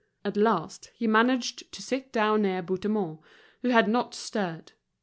At last, he managed to sit down near Bouthemont, who had not stirred.